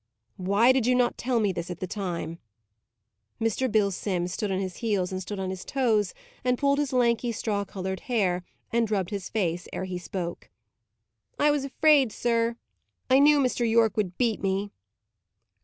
"Why did you not tell me this at the time?" Mr. Bill Simms stood on his heels and stood on his toes, and pulled his lanky straw coloured hair, and rubbed his face, ere he spoke. "I was afraid, sir. I knew Mr. Yorke would beat me."